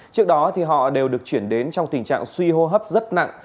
trước đó họ đều được chuyển đến trong tình trạng suy hô hấp rất nặng